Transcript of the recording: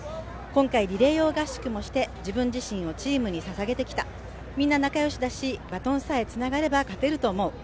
今回、リレー用合宿もして自分自身をチームにささげてきた、みんな仲良しだし、バトンさえつながれば勝てると思う